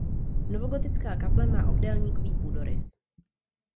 Novogotická kaple má obdélníkový půdorys.